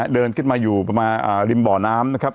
เดินขึ้นมาอยู่ประมาณริมบ่อน้ำนะครับ